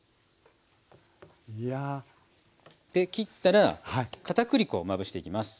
切ったらかたくり粉をまぶしていきます。